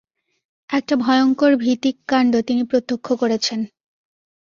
একটা ভয়ংকর ভীতিক কাণ্ড তিনি প্রত্যক্ষ করেছেন।